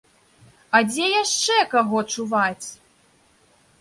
А дзе яшчэ каго чуваць?